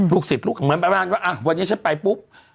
ลูกศิษย์ลูกของมันไปบ้านว่าวันนี้ฉันไปปุ๊บ